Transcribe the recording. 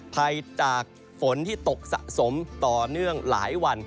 ภัยจากฝนที่ตกสะสมต่อเนื่องหลายวัน